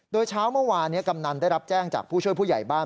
โดยเช้าเมื่อวานนี้กำนันได้รับแจ้งจากผู้ช่วยผู้ใหญ่บ้าน